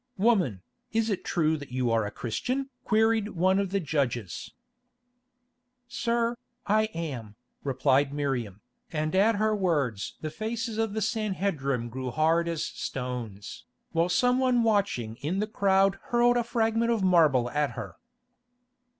"Woman, is it true that you are a Christian?" queried one of the judges. "Sir, I am," replied Miriam, and at her words the faces of the Sanhedrim grew hard as stones, while someone watching in the crowd hurled a fragment of marble at her.